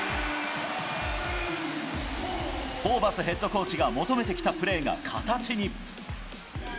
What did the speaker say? ホーバスヘッドコーチが求めてきたプレーが形に。